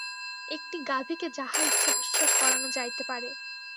একটি গাভীকে যাহা ইচ্ছা বিশ্বাস করান যাইতে পারে।